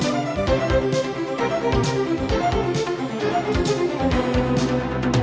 hãy đăng ký kênh để ủng hộ kênh của mình nhé